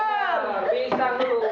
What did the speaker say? gajah lapa bijang dulu